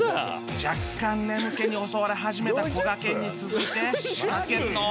若干眠気に襲われ始めたこがけんに続いて仕掛けるのは